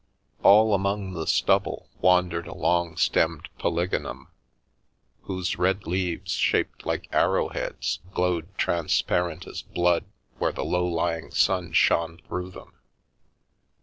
All among the stubble wandered a long stemmed polygonum, whose red leaves, shaped like ar row heads, glowed transparent as blood where the low lying sun shone through them.